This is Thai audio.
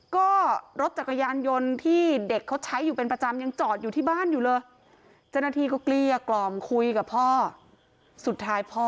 ตอนแรกอะค่ะเด็กชายวัย๑๔คนนี้ปฏิเสธ